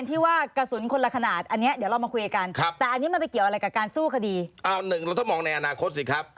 ต้องมองในอนาคตสิครับ